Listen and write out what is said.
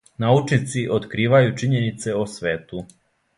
Научници откривају чињенице о свету.